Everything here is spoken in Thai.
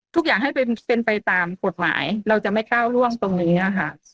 ทุกอย่างให้เป็นไปตามกฎหมายเราจะไม่ก้าวล่วงตรงนี้ค่ะ